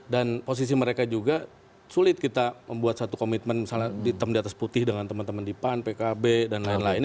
dan posisi mereka juga sulit kita membuat satu komitmen misalnya di teman di atas putih dengan teman teman di pan pkb dan lain lain